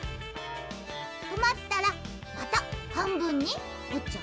とまったらまたはんぶんにおっちゃうの？